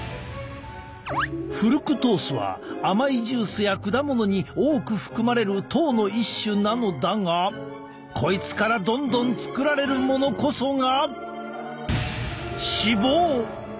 フルクトースは甘いジュースや果物に多く含まれる糖の一種なのだがこいつからどんどん作られるものこそが。